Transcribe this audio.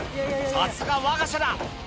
さすがわが社だ。